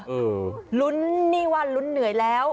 เออรุ้นนี่วันรุ้นเหนื่อยแล้ว